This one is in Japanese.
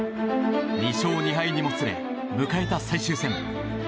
２勝２敗にもつれ迎えた最終戦。